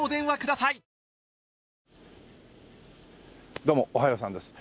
どうもおはようさんです。